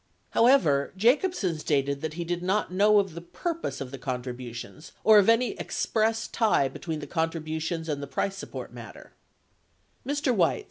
41 However, Jacobsen stated that he did not know of the purpose of the contributions or of any express tie between the contributions and the price support matter: Mr. Weitz.